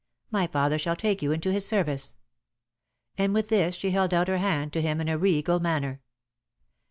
My father shall take you into his service," and with this she held out her hand to him in a regal manner.